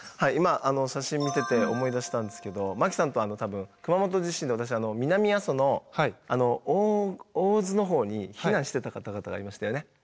今写真見てて思い出したんですけど巻さんとは多分熊本地震で私南阿蘇の大津の方に避難してた方々がいましたよね。